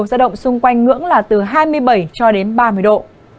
giao động xung quanh ngưỡng là từ hai mươi bảy cho đến ba mươi độ